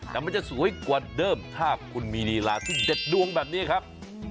แต่มันจะสวยกว่าเดิมถ้าคุณมีลีลาที่เด็ดดวงแบบนี้ครับ